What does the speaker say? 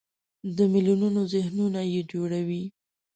د میلیونونو ذهنونه یې جوړوي.